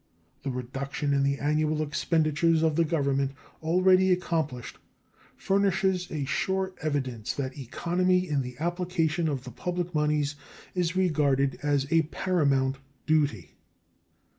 The reduction in the annual expenditures of the Government already accomplished furnishes a sure evidence that economy in the application of the public moneys is regarded as a paramount duty.